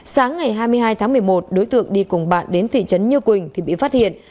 sáng ngày hai mươi hai tháng một mươi một đối tượng đi cùng bạn đến thị trấn như quỳnh thì bị phát hiện